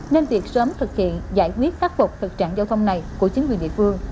nên việc sớm thực hiện giải quyết khắc phục thực trạng giao thông này của chính quyền địa phương